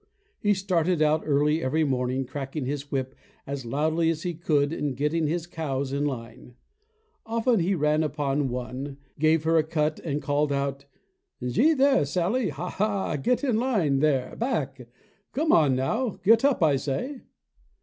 He started out early every morning, cracking his whip as loudly as he could and getting his cows in line. Often he ran upon one, gave her a cut and called out, "Gee, there, Sally; ha, ha, get in line there, Buck! Come on now! Get up, I say!"